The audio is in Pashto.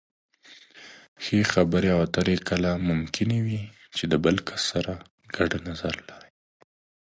ښه خبرې اترې کله ممکنې وي چې د بل کس سره ګډ نظر لرئ.